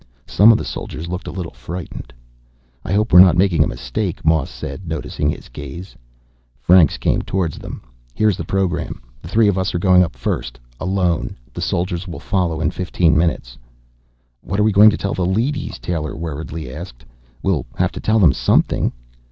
Some of the soldiers looked a little frightened. "I hope we're not making a mistake," Moss said, noticing his gaze. Franks came toward them. "Here's the program. The three of us are going up first, alone. The soldiers will follow in fifteen minutes." "What are we going to tell the leadys?" Taylor worriedly asked. "We'll have to tell them something."